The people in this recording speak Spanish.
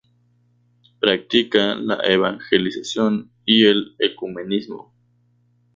Practica la evangelización y el ecumenismo.